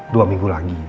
dua minggu lagi